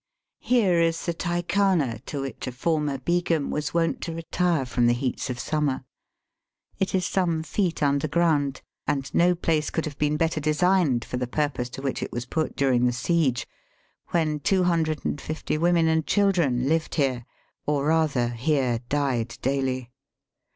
Here is the Tykhana to which a former Begum was wont to retire from the heats of summer. It is some feet underground, and no place could have been better designed for the purpose to which it was put during the siege, when two hundred and fifty women and children Uved here, or rather here died daily.